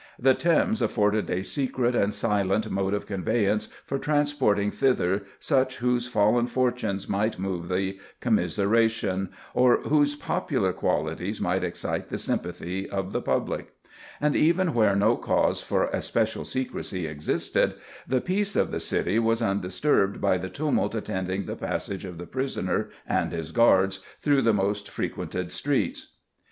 The Thames afforded a secret and silent mode of conveyance for transporting thither such whose fallen fortunes might move the commiseration, or whose popular qualities might excite the sympathy, of the public; and even where no cause for especial secrecy existed, the peace of the city was undisturbed by the tumult attending the passage of the prisoner and his guards through the most frequented streets."